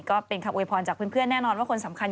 ก็เป็นคำโวยพรจากเพื่อนแน่นอนว่าคนสำคัญ